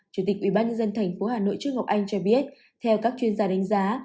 chủ tịch ubnd tp hà nội trương ngọc anh cho biết theo các chuyên gia đánh giá